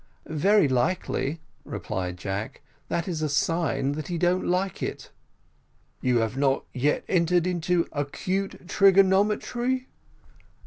"Very likely," replied Jack, "that is a sine that he don't like it." "You have not yet entered into acute trigonometry?"